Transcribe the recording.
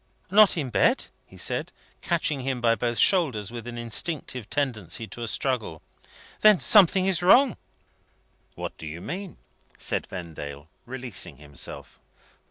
"Not in bed?" he said, catching him by both shoulders with an instinctive tendency to a struggle. "Then something is wrong!" "What do you mean?" said Vendale, releasing himself.